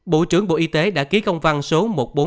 bộ trưởng bộ y tế đã ký công văn số một nghìn bốn trăm ba mươi sáu